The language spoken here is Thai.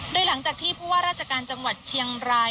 โดยหลังจากที่ผู้ว่าราชการจังหวัดเชียงราย